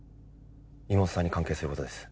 妹さんに関係することです。